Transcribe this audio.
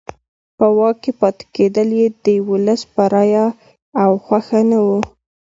په واک کې پاتې کېدل یې د ولس په رایه او خوښه نه وو.